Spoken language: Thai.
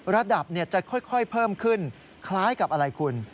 ระดับจะค่อยเพิ่มขึ้นคล้ายกับอะไรคุณ